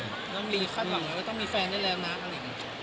น้องเรียนคาดหวังว่าก็ต้องมีแฟนไปเลยนะ